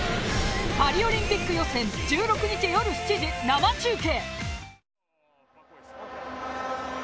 パリオリンピック予選１６日、夜７時生中継。